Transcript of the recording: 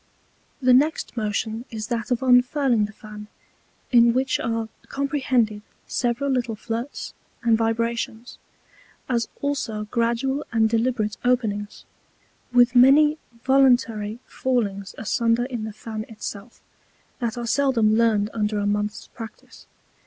The next Motion is that of unfurling the Fan, in which are comprehended several little Flirts and Vibrations, as also gradual and deliberate Openings, with many voluntary Fallings asunder in the Fan itself, that are seldom learned under a Month's Practice.